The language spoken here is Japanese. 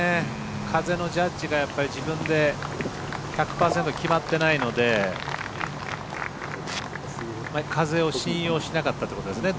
風のジャッジが自分で１００％決まってないので風を信用しなかったってことですね